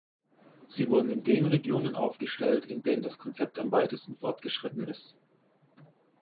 Sie wurden in den Regionen aufgestellt, in denen das Konzept am weitesten fortgeschritten ist.